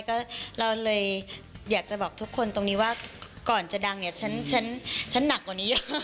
ก็เราเลยอยากจะบอกทุกคนตรงนี้ว่าก่อนจะดังเนี่ยฉันหนักกว่านี้เยอะ